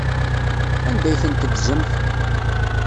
Anda ay ten-teddzemt?